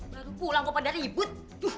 baru pulang kok pada ribut